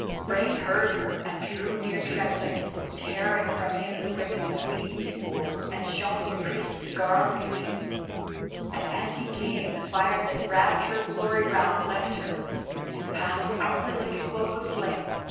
Rei heard her and drew near trembling, tearing from him the woman's weeds he wore, and showing the priest's garb beneath. And as he came the fire that wrapped her glory round left her, and passed upward like a cloak of flame.